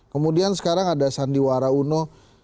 kemudian sekarang ada sandiwara uno